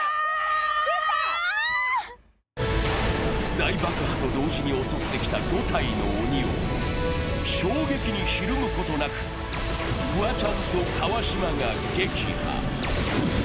大爆破と同時に襲ってきた５体の鬼を衝撃にひるむことなくフワちゃんと川島が撃破。